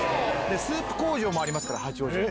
スープ工場もありますから、八王子。